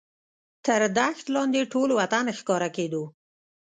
تر دښت لاندې ټول وطن ښکاره کېدو.